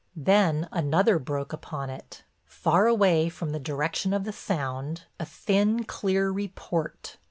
Then another broke upon it, far away, from the direction of the Sound—a thin, clear report.